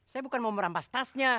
saya bukan mau merampas tasnya